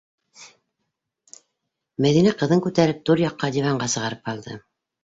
- Мәҙинә ҡыҙын күтәреп түрьяҡҡа диванға сығарып һалды.